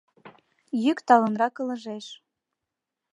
Йӱк талынрак ылыжеш.